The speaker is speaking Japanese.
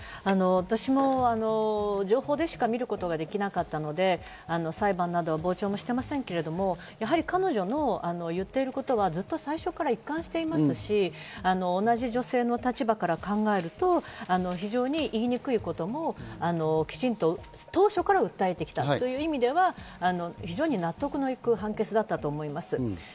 私も情報でしか見ることはできなかったんですが、裁判など傍聴もしていませんけれども、彼女の言ってることは最初から一貫していますし、同じ女性の立場から考えると、非常にいいにくいこともきちんと当初から訴えてきたという意味では非常に納得のいく判決だったと思います。